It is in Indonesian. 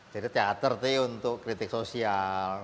jadi teater itu untuk kritik sosial